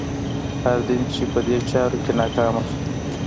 هر دین چې په دې چارو کې ناکامه شو.